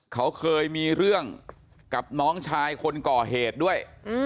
เขาเคยมีเรื่องกับน้องชายคนก่อเหตุด้วย